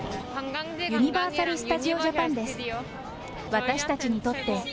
ユニバーサル・スタジオ・ジャパンです。